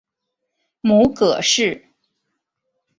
母葛氏。